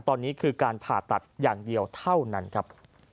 ตอนนี้คือการผ่าตัดอย่างเดียวเท่านั้นครับ